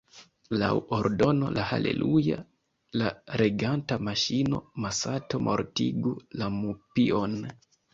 Laŭ ordono de Haleluja, la reganta maŝino, Masato mortigu la mupion.